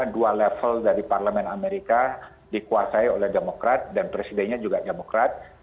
dua level dari parlemen amerika dikuasai oleh demokrat dan presidennya juga demokrat